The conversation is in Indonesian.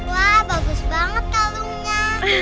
wah bagus banget kado nya